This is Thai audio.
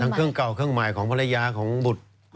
เครื่องเก่าเครื่องหมายของภรรยาของบุตร